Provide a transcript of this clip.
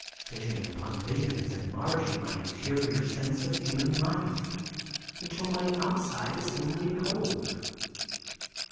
Vision upon vision is enlarging my interior sense of human life, until my outside is only cold.